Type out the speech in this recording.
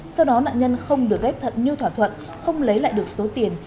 sau đó nạn nhân không được ghép thận như thỏa thuận không lấy lại được số tiền